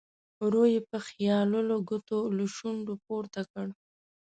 ورو یې په خیالولو ګوتو له شونډو پورته کړ.